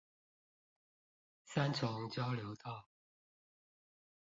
三重交流道